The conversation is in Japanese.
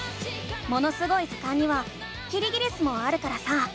「ものすごい図鑑」にはキリギリスもあるからさ